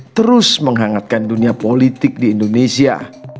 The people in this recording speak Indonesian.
terus menghangatkan dunia politik di indonesia